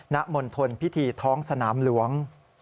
ณมณฑลพิธีท้องสนามหลวง